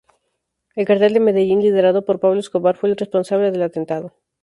El cartel de Medellín, liderado por Pablo Escobar, fue el responsable del atentado.